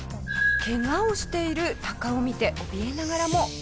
ケガをしているタカを見ておびえながらも。